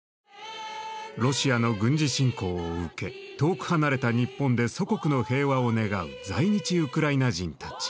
ロシアの軍事侵攻を受け遠く離れた日本で祖国の平和を願う在日ウクライナ人たち。